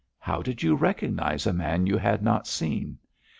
'How did you recognise a man you had not seen?'